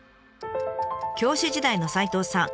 教師時代の齋藤さん